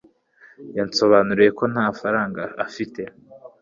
Yansobanuriye ko nta faranga afite